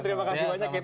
terima kasih banyak